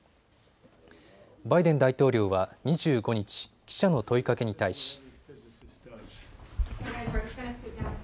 バイデン大統領は２５日記者の問いかけに対し。